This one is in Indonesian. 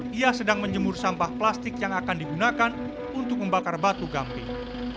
dia sedang menjemur sampah plastik yang akan digunakan untuk membakar batu gamping